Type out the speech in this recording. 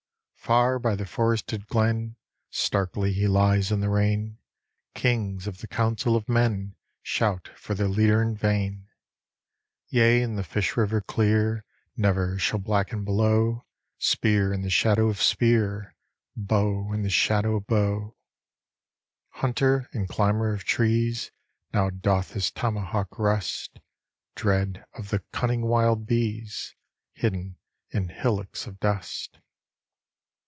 Far by the forested glen, Starkly he lies in the rain; Kings of the council of men Shout for their leader in vain. Yea, and the fish river clear Never shall blacken below Spear and the shadow of spear, Bow and the shadow of bow. Hunter and climber of trees, Now doth his tomahawk rust, (Dread of the cunning wild bees), Hidden in hillocks of dust.